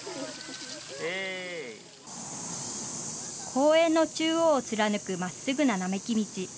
公園の中央を貫くまっすぐな並木道。